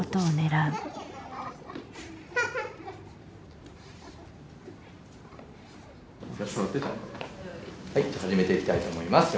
はい始めていきたいと思います。